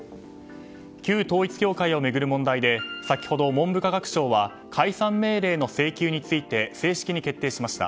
旧統一教会を巡る問題で先ほど文部科学省は解散命令の請求について正式に決定しました。